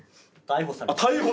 逮捕。